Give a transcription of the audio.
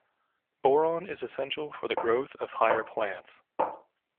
Boron is essential for the growth of higher plants.